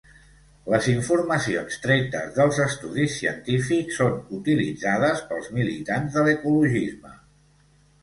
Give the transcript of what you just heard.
Les informacions tretes dels estudis científics són utilitzades pels militants de l'ecologisme.